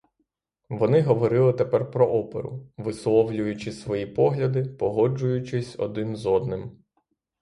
Вони говорили тепер про оперу, висловлюючи свої погляди, погоджуючись один з одним.